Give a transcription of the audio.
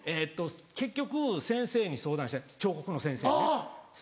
結局先生に相談して彫刻の先生にね。